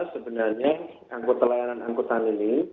sebenarnya angkutan layanan angkutan ini